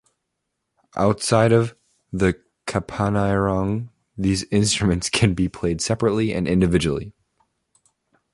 Outside of the kapanirong, these instruments can be played separately and individually.